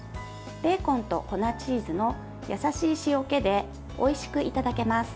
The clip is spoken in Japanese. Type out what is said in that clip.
ベーコンと粉チーズの優しい塩気でおいしくいただけます。